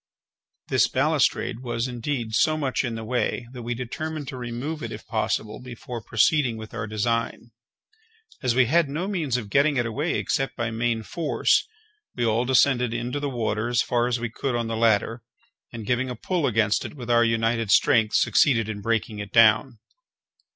This balustrade was, indeed, so much in the way, that we determined to remove it, if possible, before proceeding with our design. As we had no means of getting it away except by main force, we all descended into the water as far as we could on the ladder, and giving a pull against it with our united strength, succeeded in breaking it down.